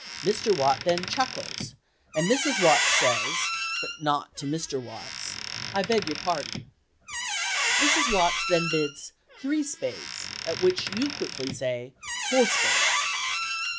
Mr. Watts then chuckles, and Mrs. Watts says (but not to Mr. Watts), "I beg your pardon." Mrs. Watts then bids "Three spades," at which you quickly say, "Four spades."